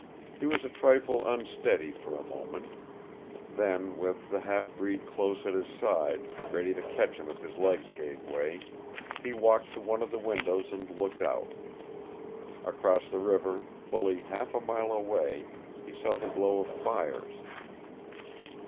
He was a trifle unsteady for a moment. Then, with the half breed close at his side, ready to catch him if his legs gave way, he walked to one of the windows and looked out. Across the river, fully half a mile away, he saw the glow of fires.